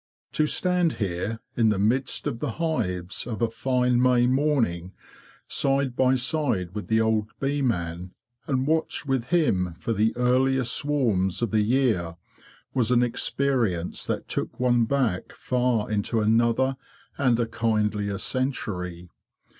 To stand here, in the midst of the hives, of a fine May morning, side by side with the old bee man, and watch with him for the earliest swarms of the year, was an experience that took one back far into another and a kindlier century.